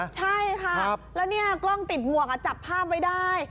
ใช่ค่ะแล้วเนี่ยกล้องติดหมวกจับภาพไว้ได้